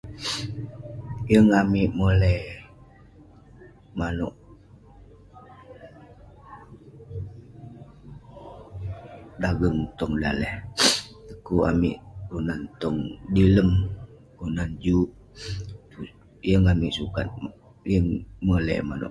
Yeng amik moley manouk dageng tong daleh. Dekuk amik kelunan tong dilem, tong juk. Yeng amik sukat- yeng moley manouk.